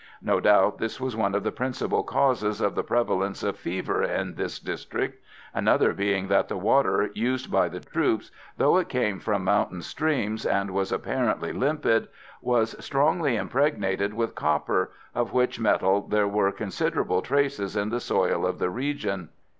No doubt this was one of the principal causes of the prevalence of fever in this district; another being that the water used by the troops, though it came from mountain streams, and was apparently limpid, was strongly impregnated with copper, of which metal there were considerable traces in the soil of the region.